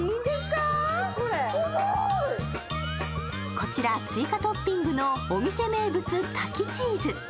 こちら、追加トッピングのお店名物、滝チーズ。